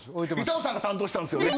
板尾さんが担当したんですよね。